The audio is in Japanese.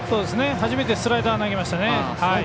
初めてスライダーを投げましたね。